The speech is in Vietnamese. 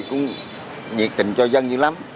cũng nhiệt tình cho dân dữ lắm